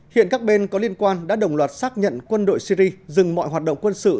hiện các bên có liên quan đã đồng loạt xác nhận quân đội syri dừng mọi hoạt động quân sự